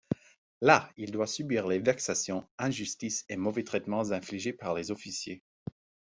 Là, il doit subir les vexations, injustices et mauvais traitements infligés par les officiers.